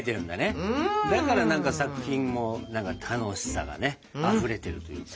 だから何か作品も楽しさがねあふれてるっていうか。